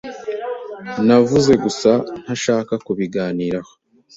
Navuze gusa ko ntashaka kubiganiraho.